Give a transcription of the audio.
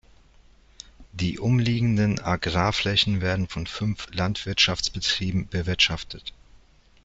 Die umliegenden Agrarflächen werden von fünf Landwirtschaftsbetrieben bewirtschaftet.